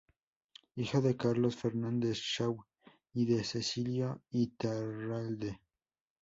Hijo de Carlos Fernández Shaw y de Cecilia Iturralde.